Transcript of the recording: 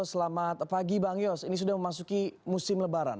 selamat pagi bang yos ini sudah memasuki musim lebaran